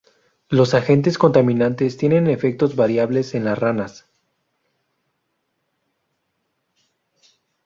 Los agentes contaminantes tienen efectos variables en las ranas.